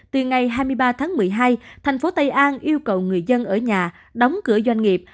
từ ngày hai mươi ba tháng một mươi hai thành phố tây an yêu cầu người dân ở nhà đóng cửa doanh nghiệp